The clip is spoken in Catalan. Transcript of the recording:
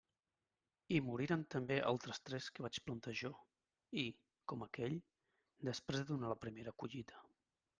I moriren també altres tres que vaig plantar jo, i, com aquell, després de donar la primera collita.